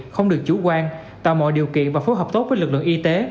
không được chủ quan tạo mọi điều kiện và phối hợp tốt với lực lượng y tế